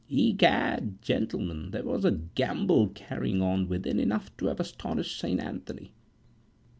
Egad, gentlemen, there was a gambol carrying on within enough to have astonished St. Anthony.